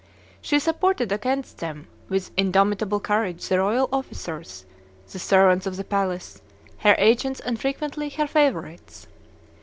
She supported against them, with indomitable courage, the royal officers, the servants of the palace, her agents, and frequently her favorites.